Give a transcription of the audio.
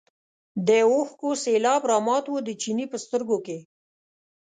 د اوښکو سېلاب رامات و د چیني په سترګو کې.